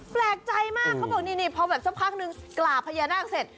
แปลกใจมากเขาบอกนี่พอแบบสักพักนึงกราบพญานาคเสร็จ